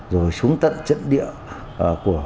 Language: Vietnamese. rồi xuống tận trận địa của xuất phát tấn công của bộ đội